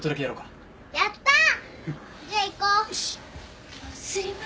やったー！